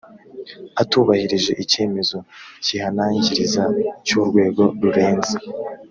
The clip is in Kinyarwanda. atubahirije icyemezo kihanangiriza cy urwego rurenze